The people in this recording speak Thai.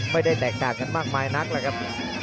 ไม่ได้แตกต่างกันมากมายนักแล้วครับ